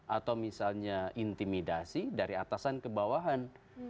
atau misalnya intimidasi dari atasan ke bawahan